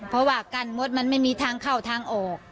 เพราะว่ากั้นมดมันไม่มีทางเข้าทางออก